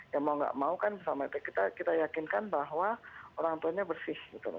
ya mau nggak mau kan kita yakinkan bahwa orang tuanya bersih gitu loh